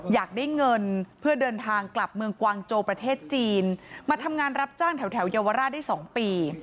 อยากได้เงินเพื่อเดินทางกลับเมืองกวางโจประเทศจีนมาทำงานรับจ้างแถวเยาวราชได้๒ปี